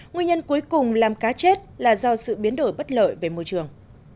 nguyên nhân cuối cùng làm cá chết là do sự biến đổi bất lợi về môi trường